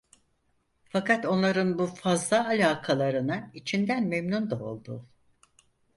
Fakat onların bu fazla alakalarına içinden memnun da oldu.